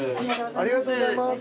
ありがとうございます。